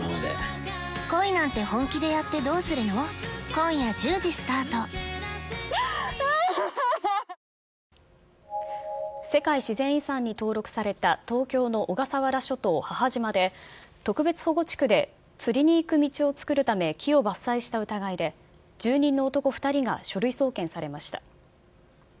午前５時ごろ、匝瑳市飯塚で、世界自然遺産に登録された東京の小笠原諸島・母島で、特別保護地区で釣りに行く道を作るため木を伐採した疑いで、住人の男２人が書類送検されました。